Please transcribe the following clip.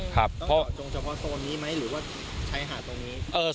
เจาะจงเฉพาะโซนนี้ไหมหรือว่าชายหาดตรงนี้